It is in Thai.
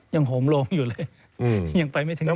ยังโหนลงอยู่เลยยังไปไม่ถึงไหน